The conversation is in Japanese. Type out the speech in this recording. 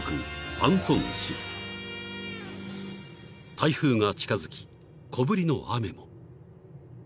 ［台風が近づき小降りの雨も］